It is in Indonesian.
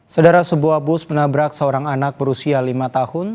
saudara sebuah bus menabrak seorang anak berusia lima tahun